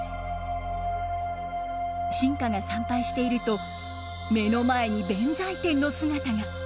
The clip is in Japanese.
臣下が参拝していると目の前に弁財天の姿が。